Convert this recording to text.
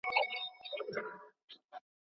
يو بل ته لاس ورکړو.